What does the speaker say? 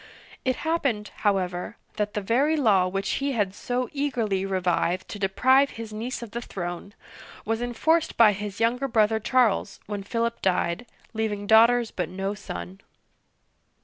It happened, however, that the very law which he had so eagerly revived to de prive his niece of the throne, was enforced by his younger brother Charles when Philip died, leaving daughters but no son.